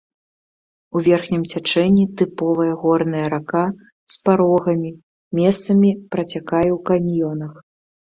У верхнім цячэнні тыповая горная рака з парогамі, месцамі працякае ў каньёнах.